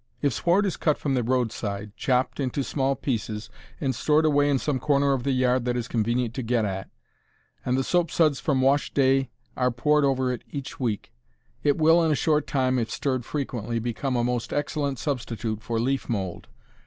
If sward is cut from the roadside, chopped into small pieces, and stored away in some corner of the yard that is convenient to get at, and the soapsuds from wash day are poured over it each week, it will, in a short time, if stirred frequently, become a most excellent substitute for leaf mold.